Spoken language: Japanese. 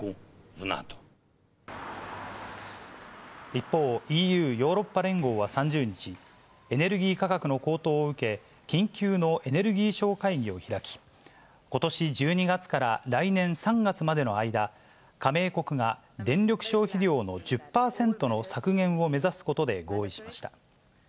一方、ＥＵ・ヨーロッパ連合は３０日、エネルギー価格の高騰を受け、緊急のエネルギー相会議を開き、ことし１２月から来年３月までの間、加盟国が電力消費量の１０％の削減を目指すことで合意しました。